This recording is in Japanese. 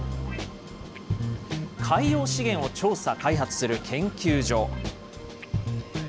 海洋資源を調査・開発する研究所。